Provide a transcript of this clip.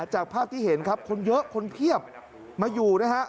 จากภาพที่เห็นครับคนเยอะคนเพียบมาอยู่นะฮะ